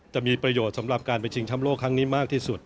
จะมีประโยชน์สำหรับการไปชิงช้ำโลกครั้งนี้มากที่สุด